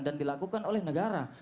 dan dilakukan oleh negara